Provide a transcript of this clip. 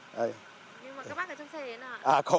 nhưng mà các bác ở trong xe ấy nè